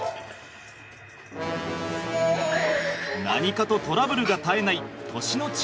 何かとトラブルが絶えない年の